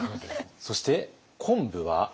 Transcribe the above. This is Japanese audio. そして昆布は？